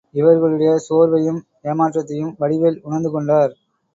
இவர்களுடைய சோர்வையும் ஏமாற்றத்தையும் வடிவேல் உணர்ந்துகொண்டார்.